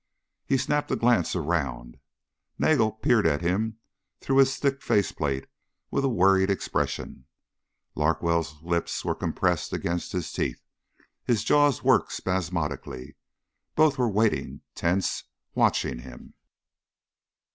He snapped a glance around. Nagel peered at him through his thick face plate with a worried expression. Larkwell's lips were compressed against his teeth. His jaws worked spasmodically. Both were waiting, tense, watching him.